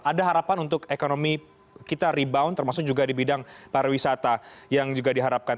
ada harapan untuk ekonomi kita rebound termasuk juga di bidang pariwisata yang juga diharapkan